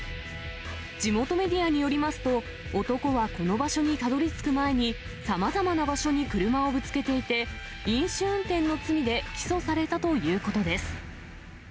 地元メディアによりますと、男はこの場所にたどりつく前に、さまざまな場所に車をぶつけていて、飲酒運転の罪で起訴されたということです。